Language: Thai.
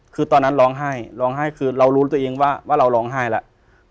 คือตอนนั้นร้องไห้ร้องไห้คือเรารู้ตัวเองว่าเราร้องไห้แล้ว